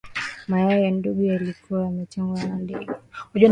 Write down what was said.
Mayai ya nandu yalikuwa yametagwa na ndege